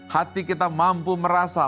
hati kita mampu merasa